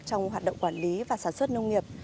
trong hoạt động quản lý và sản xuất nông nghiệp